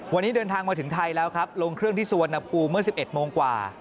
วันนี้เดินทางมาถึงไทยแล้วครับลงเครื่องที่สุวรรณภูมิเมื่อ๑๑โมงกว่า